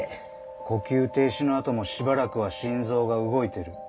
呼吸停止のあともしばらくは心臓が動いてる。